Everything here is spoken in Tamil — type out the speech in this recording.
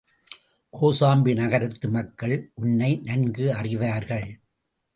கோசாம்பி நகரத்து மக்கள் உன்னை நன்கு அறிவார்கள்.